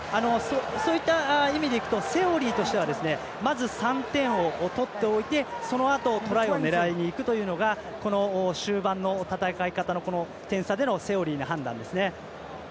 そういった意味でいくとセオリーとしてはまず３点を取っておいてそのあと、トライを狙いにいくというのがこの終盤の戦い方のこのセオリーでの判断ですね。